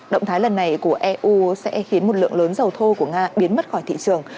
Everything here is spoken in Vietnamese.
động thái lần này của eu sẽ khiến một lượng lớn dầu thô của nga biến mất khỏi thị trường